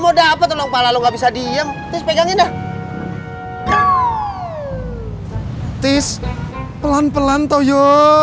mau dapet tolong pala lu nggak bisa diam terus pegangin ah tis pelan pelan toyo